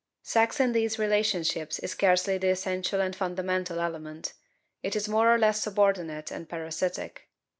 Sex in these relationships is scarcely the essential and fundamental element; it is more or less subordinate and parasitic.